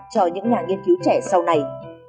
cho những nhà nghiên cứu trẻ sau này